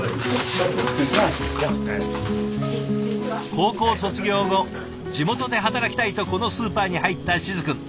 高校卒業後地元で働きたいとこのスーパーに入った静くん。